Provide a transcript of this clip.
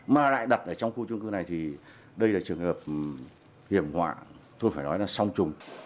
mà lại đặt ở trong khu chung cư này thì đây là chứng minh